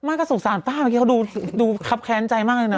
ก็สงสารป้าเมื่อกี้เขาดูครับแค้นใจมากเลยนะ